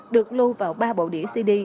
được lưu vào ba bộ đĩa cd